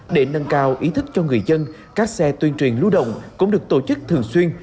để nâng cao ý thức cho người dân các xe tuyên truyền lưu động cũng được tổ chức thường xuyên